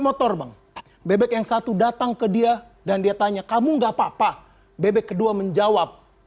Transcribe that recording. motor bang bebek yang satu datang ke dia dan dia tanya kamu enggak apa apa bebek kedua menjawab